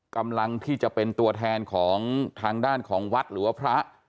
กำลังที่จะเป็นตัวแทนของทางด้านของวัดหรือว่าพระ